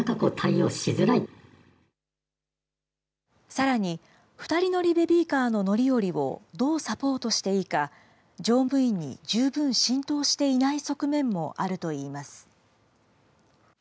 さらに２人乗りベビーカーの乗り降りをどうサポートしていいか、乗務員に十分浸透していない側面もあるといいます。